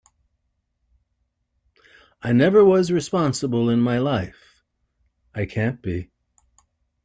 I never was responsible in my life — I can't be.